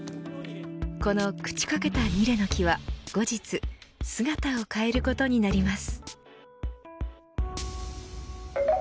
この朽ちかけたニレの木は後日姿を変えることになります。